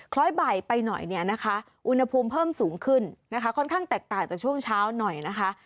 คล้อยบ่ายไปหน่อยเนี่ยนะคะอุณหภูมิเพิ่มสูงขึ้นนะคะค่อนข้างแตกต่างจากช่วงเช้าหน่อยนะคะ